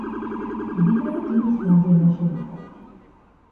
მდინარე ჯუმის მარჯვენა შენაკადი.